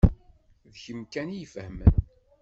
D kemm kan i y-ifehmen.